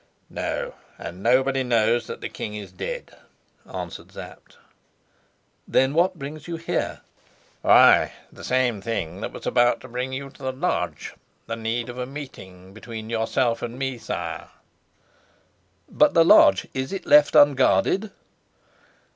"No; and nobody knows that the king is dead," answered Sapt. "Then what brings you here?" "Why, the same thing that was about to bring you to the lodge: the need of a meeting between yourself and me, sire." "But the lodge is it left unguarded?"